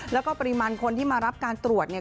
แล้วก็ปริมาณคนที่มารับการตรวจเนี่ย